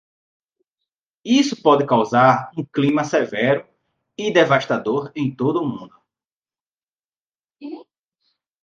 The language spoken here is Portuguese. Isso pode causar um clima severo e devastador em todo o mundo.